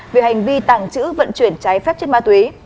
vì hành vi tàng chữ vận chuyển trái phép trên má túy